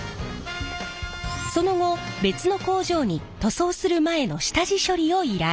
その後別の工場に塗装する前の下地処理を依頼。